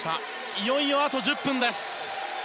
いよいよあと１０分です。